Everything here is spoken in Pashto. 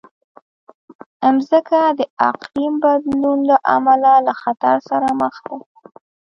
مځکه د اقلیم بدلون له امله له خطر سره مخ ده.